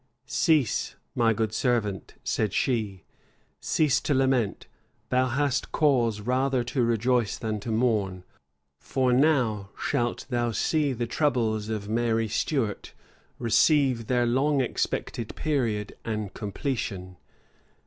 "Cease, my good servant," said she, "cease to lament: thou hast cause rather to rejoice than to mourn: for now shalt thou see the troubles of Mary Stuart receive their long expected period and completion.